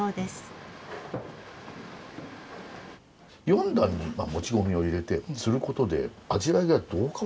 四段にもち米を入れてすることで味わいがどう変わるんでしょうかね？